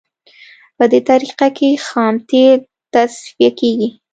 په دې طریقه کې خام تیل تصفیه کیږي